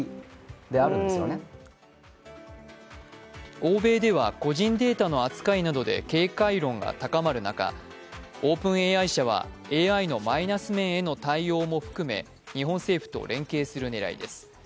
欧米では個人データの扱いなどで警戒論が高まる中、ＯｐｅｎＡＩ社はＡＩのマイナス面への対応も含め日本政府と連携する狙いです。